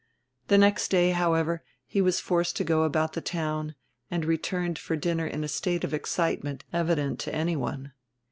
The next day, however, he was forced to go about the town, and returned for dinner in a state of excitement evident to anyone.